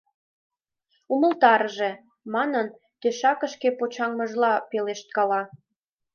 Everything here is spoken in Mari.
Умылтарыже...» — манын, тӧшакыште почаҥмыжла пелешткала.